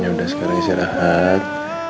yaudah sekarang istirahat